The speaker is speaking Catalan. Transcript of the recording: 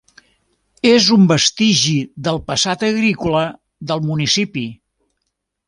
És un vestigi del passat agrícola del municipi.